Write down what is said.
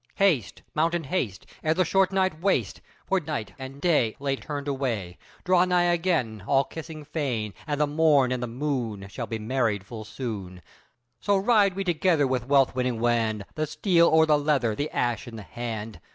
Haste! mount and haste Ere the short night waste, For night and day, Late turned away, Draw nigh again All kissing fain; And the morn and the moon Shall be married full soon. So ride we together with wealth winning wand, The steel o'er the leather, the ash in the hand.